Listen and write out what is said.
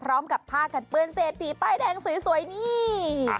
พร้อมกับผ้ากันเปื้อนเศรษฐีป้ายแดงสวยนี่